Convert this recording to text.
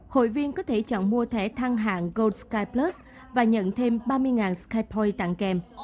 hội viên có thể chọn mua thẻ thăng hạng gold skyplus và nhận thêm ba mươi skyphoy tặng kèm